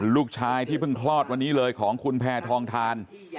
ลูกชายที่เพิ่งคลอดวันนี้เลยของคุณแพทองทาน